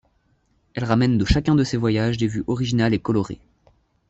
Elle ramène de chacun de ses voyages des vues originales et colorées.